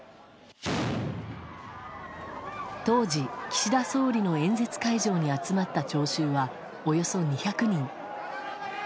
当時、岸田総理の演説会場に集まった聴衆はおよそ２００人。